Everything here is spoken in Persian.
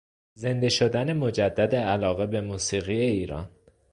زنده شدن مجدد علاقه به موسیقی ایران